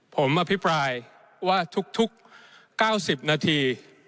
ผมอภิปรายว่าทุก๙๐นาที